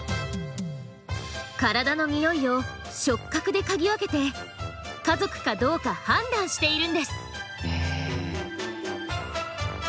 体の匂いを触角で嗅ぎ分けて家族かどうか判断しているんです。